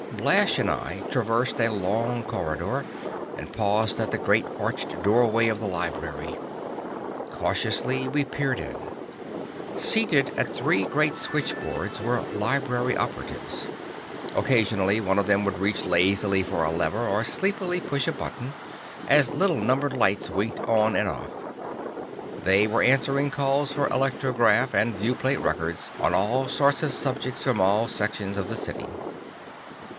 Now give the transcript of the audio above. Blash and I traversed a long corridor, and paused at the great arched doorway of the library. Cautiously we peered in. Seated at three great switchboards were library operatives. Occasionally one of them would reach lazily for a lever, or sleepily push a button, as little numbered lights winked on and off. They were answering calls for electrograph and viewplate records on all sorts of subjects from all sections of the city.